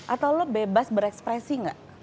atau lo bebas berekspresi gak